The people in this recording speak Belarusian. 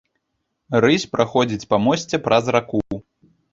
Рысь праходзіць па мосце праз раку.